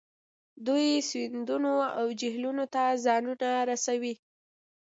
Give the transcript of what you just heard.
دوی سیندونو او جهیلونو ته ځانونه رسوي